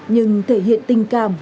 nhưng thể hiện tình cảm